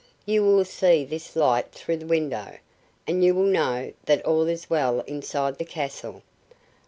You will see this light through the window, and will know that all is well inside the castle.